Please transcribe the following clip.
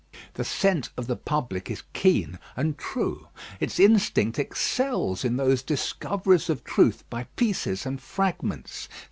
The scent of the public is keen and true. Its instinct excels in those discoveries of truth by pieces and fragments.